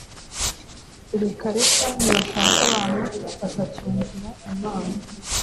Reka reka nibashake abantu batacyumvira imana